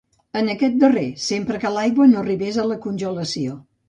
En aquest darrer, sempre que l'aigua no arribés a la congelació.